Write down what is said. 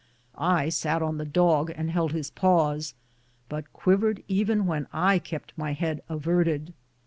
I sat on the dog and held his paws, but quivered even when I kept my head averted.